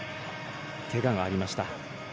けががありました。